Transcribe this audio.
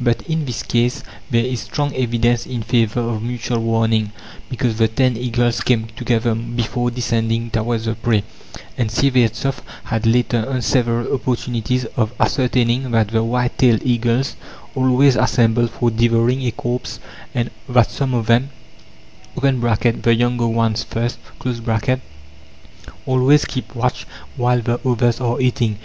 But in this case there is strong evidence in favour of mutual warning, because the ten eagles came together before descending towards the prey, and Syevertsoff had later on several opportunities of ascertaining that the whitetailed eagles always assemble for devouring a corpse, and that some of them (the younger ones first) always keep watch while the others are eating.